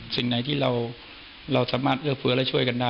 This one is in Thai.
สิ่งไหนที่เราสามารถเอื้อเฟื้อและช่วยกันได้